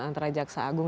antara jaksa agung